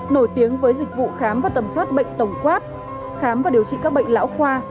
nổi tiếng với dịch vụ khám và tầm soát bệnh tổng quát khám và điều trị các bệnh lão khoa